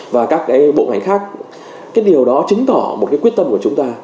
và các cái bộ ngành khác cái điều đó chứng tỏ một cái quyết tâm của chúng ta